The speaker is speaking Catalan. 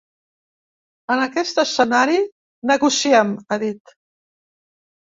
En aquest escenari negociem, ha dit.